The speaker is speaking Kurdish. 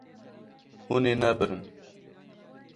Hûn ê nebirin.